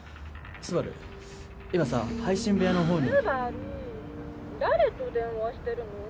今さ配信部屋のほうにスバル誰と電話してるの？